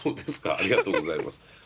ありがとうございます。